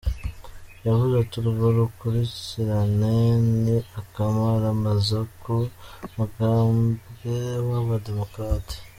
Yavuze ati:"Urwo rukurikirane ni akamaramaza ku mugambwe w'aba demokrate.